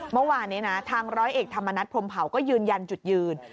เมื่อวานนี้นะทางร้อยเอกธรรมนัฐพรมเผาก็ยืนยันจุดยืน